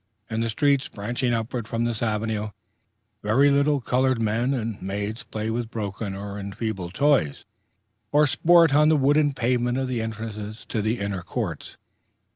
In the streets branching upward from this avenue, very little colored men and maids play with broken or enfeebled toys, or sport on the wooden pavements of the entrances to the inner courts.